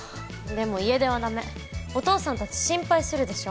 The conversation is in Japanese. でも家出はダメお父さん達心配するでしょ